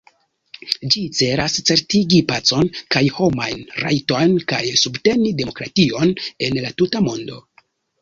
Ĝi celas certigi pacon kaj homajn rajtojn kaj subteni demokration en la tuta mondo.